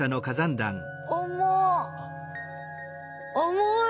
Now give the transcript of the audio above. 重い！